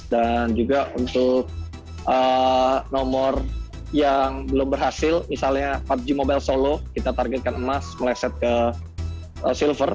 dan juga untuk nomor yang belum berhasil misalnya pubg mobile solo kita targetkan emas meleset ke silver